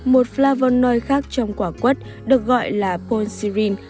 một flavonoid khác trong quả quất được gọi là polsirin